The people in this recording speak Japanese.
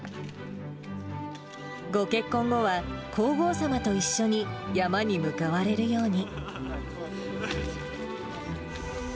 ご結婚後は、皇后さまと一緒に山に向かわれるように。